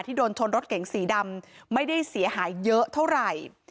โดนชนรถเก๋งสีดำไม่ได้เสียหายเยอะเท่าไหร่